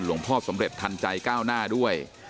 พ่อสำเร็จทันใจก้าวหน้าด้วย